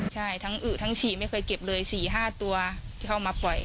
ใช่ทั้งอึทั้งฉี่ไม่เคยเก็บเลย๔๕ตัวที่เข้ามาปล่อย